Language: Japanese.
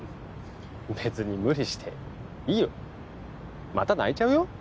別に無理していいよまた泣いちゃうよ